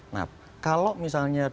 nah kalau misalnya